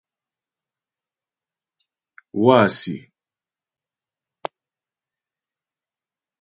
Wâsi᷅.